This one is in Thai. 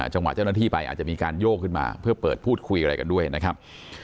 จังหวะเจ้าหน้าที่ไปอาจจะมีการโยกขึ้นมาเพื่อเปิดพูดคุยอะไรกันด้วยนะครับ